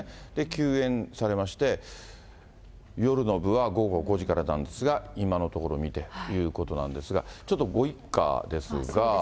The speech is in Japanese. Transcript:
休演されまして、夜の部は午後５時からなんですが、今のところ未定ということなんですが、ちょっとご一家ですが。